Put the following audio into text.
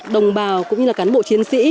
đồng bào cũng như là cán bộ chiến sĩ